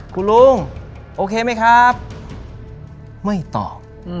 คุณลุงโอเคไหมครับไม่ตอบ